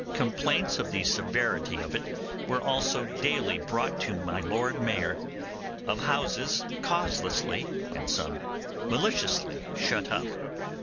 Complaints of the severity of it were also daily brought to my Lord Mayor, of houses causelessly (and some maliciously) shut up.